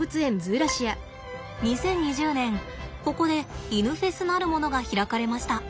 ２０２０年ここで「イヌフェス！」なるものが開かれました。